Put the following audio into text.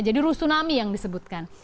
jadi rusunami yang disebutkan